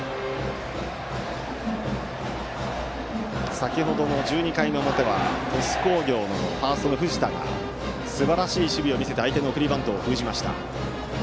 先程の１２回の表は鳥栖工業のファースト、藤田がすばらしい守備を見せて相手の送りバントを封じました。